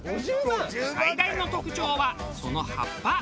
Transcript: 最大の特徴はその葉っぱ。